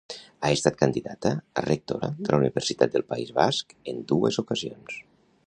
Ha estat candidata a rectora de la Universitat del País Basc en dues ocasions.